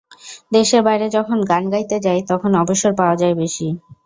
দেশের বাইরে যখন গান গাইতে যাই, তখন অবসর পাওয়া যায় বেশি।